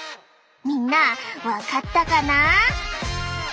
みんな分かったかな？